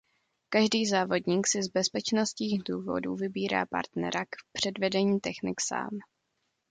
Každý závodník si z bezpečnostních důvodů vybírá partnera k předvedení technik sám.